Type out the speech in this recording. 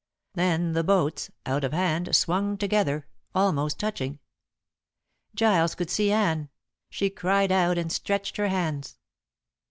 Then the boats, out of hand, swung together, almost touching. Giles could see Anne. She cried out and stretched her hands.